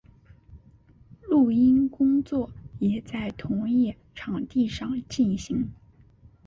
录音工作也在同一场地上进行。